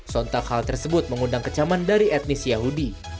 sontak hal tersebut mengundang kecaman dari etnis yahudi